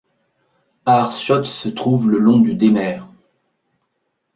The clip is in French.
Aarschot se trouve le long du Démer.